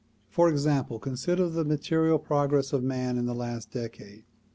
For example, consider the material progress of man in the last decade.